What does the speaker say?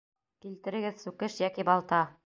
Килтерегеҙ сүкеш йәки балта!